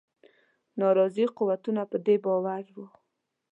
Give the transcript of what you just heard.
ناراضي قوتونه په دې باور وه.